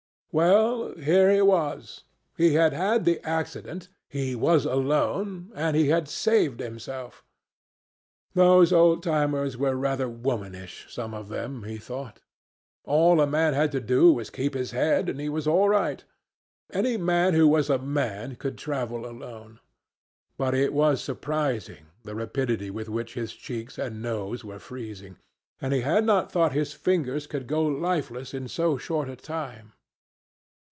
Well, here he was; he had had the accident; he was alone; and he had saved himself. Those old timers were rather womanish, some of them, he thought. All a man had to do was to keep his head, and he was all right. Any man who was a man could travel alone. But it was surprising, the rapidity with which his cheeks and nose were freezing. And he had not thought his fingers could go lifeless in so short a time.